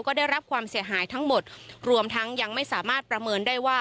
ก็ได้รับความเสียหายทั้งหมดรวมทั้งยังไม่สามารถประเมินได้ว่า